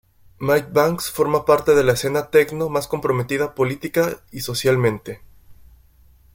Mike Banks forma parte de la escena techno más comprometida política y socialmente.